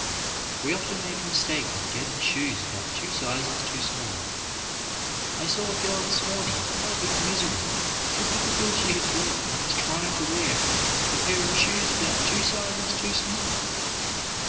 We often make a mistake in getting shoes about two sizes too small. I saw a girl this morning in perfect misery, simply because she had bought, and was trying to wear, a pair of shoes about two sizes too small.